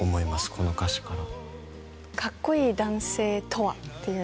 この歌詞から。